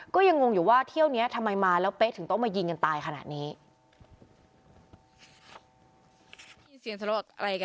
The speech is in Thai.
ก็ยังงงอยู่ว่าเที่ยวนี้ทำไมมาแล้วเป๊ะถึงต้องมายิงกันตายขนาดนี้